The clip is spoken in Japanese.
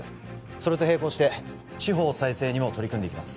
それと並行して地方再生にも取り組んでいきます